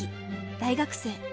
大学生。